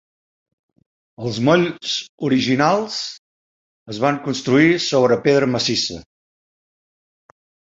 Els molls originals es van construir sobre pedra massissa.